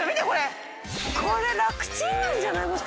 これ楽チンなんじゃない？